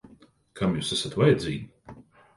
Kam jūs esat vajadzīgi?